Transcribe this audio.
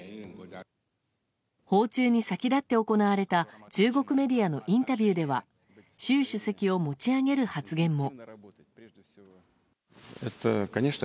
訪中に先立って行われた中国メディアのインタビューでは習主席を持ち上げる発言も。